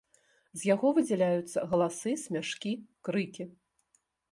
З яго выдзяляюцца галасы, смяшкі, крыкі.